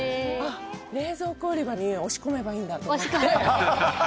冷蔵庫売り場に押し込めばいいんだって。